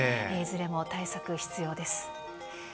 いずれも対策、必要です。